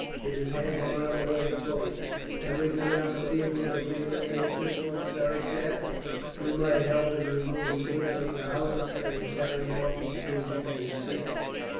It is half a mile away fully." "Can we go down and see if we can be of any assistance?" Beric asked. "We might help in removing goods from the houses, and in carrying off the aged and sick."